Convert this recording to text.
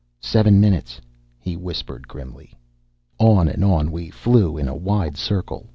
"Seven minutes!" he whispered grimly. On and on we flew, in a wide circle.